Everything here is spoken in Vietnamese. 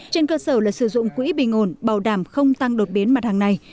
trên cơ sở là sử dụng quỹ bình ổn bảo đảm không tăng đột biến mặt hàng này